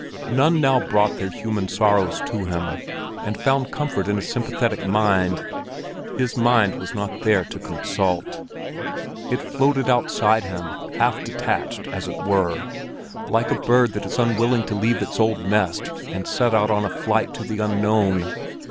None now brought their human sorrows to him, and found comfort in a sympathetic mind; his mind was not there to consult. It floated outside him, half detached, as it were, like a bird that is unwilling to leave its old nest to set out on a flight to the unknown.